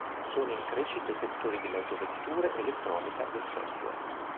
Sono in crescita i settori delle autovetture, elettronica, del software.